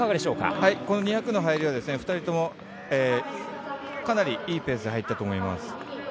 この２００の入りは２人ともかなりいいペースで入ったと思います。